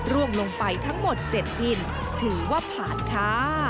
ร่วงลงไปทั้งหมด๗ถิ่นถือว่าผ่านค่ะ